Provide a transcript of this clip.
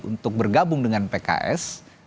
untuk bergabung dengan pks